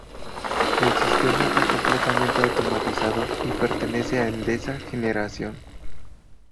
El sistema está completamente automatizado y pertenece a Endesa Generación.